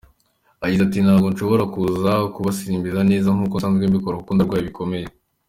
Agize ati "Ntabwo nshobora kuza kubaririmbira neza nk’uko nsanzwe mbikora kuko ndarwaye bikomeye.